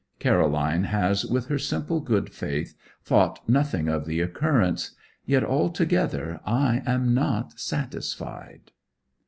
Caroline has, with her simple good faith, thought nothing of the occurrence; yet altogether I am not satisfied.